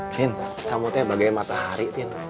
tin kamu tuh kayak bagai matahari tin